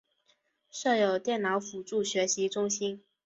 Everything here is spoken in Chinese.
设有电脑辅助学习中心。